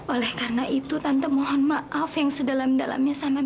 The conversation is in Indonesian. oleh karena itu tante mohon maaf yang sedalam dalamnya